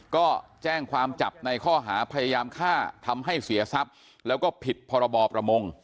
ก็แจ้งความจับในข้อหาพยายามฆ่าทำให้เสียทรัพย์แล้วก็ผิดพรบประมง